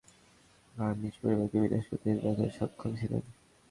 আর নিজ পরিবারকে বিনাশ থেকে বাঁচাতে সক্ষম ছিলেন।